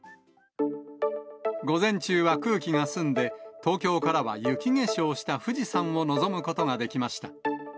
午前中は空気が澄んで、東京からは雪化粧した富士山を望むことができました。